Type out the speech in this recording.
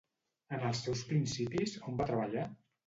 En els seus principis, on va treballar?